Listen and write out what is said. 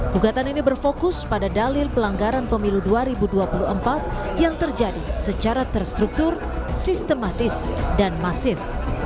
gugatan ini berfokus pada dalil pelanggaran pemilu dua ribu dua puluh empat yang terjadi secara terstruktur sistematis dan masif